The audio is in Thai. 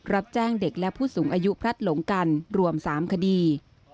รับแจ้งเด็กและผู้สูงอายุพลัดหลงกันรวม๓คดี